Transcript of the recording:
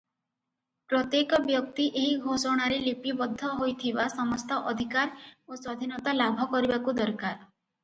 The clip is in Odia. ପ୍ରତ୍ୟେକ ବ୍ୟକ୍ତି ଏହି ଘୋଷଣାରେ ଲିପିବଦ୍ଧ ହୋଇଥିବା ସମସ୍ତ ଅଧିକାର ଓ ସ୍ୱାଧୀନତା ଲାଭ କରିବାକୁ ଦରକାର ।